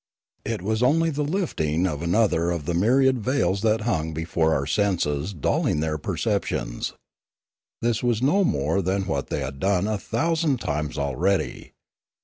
It was only the lifting of another of the myriad veils that hung before our senses dulling their perceptions. This was no more than what they had done a thousand times already.